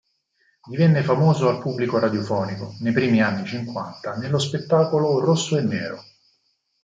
Diviene famoso al pubblico radiofonico, nei primi anni cinquanta, nello spettacolo "Rosso e nero".